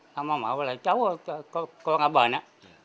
làm âm mộ là cháu con ở bên đó